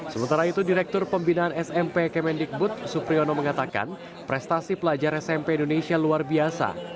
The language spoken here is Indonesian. sementara itu direktur pembinaan smp kemendikbud supriyono mengatakan prestasi pelajar smp indonesia luar biasa